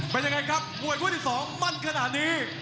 เป็นยังไงครับมวยคู่ที่๒มั่นขนาดนี้